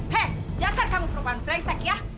hei dasar kamu perempuan dresek ya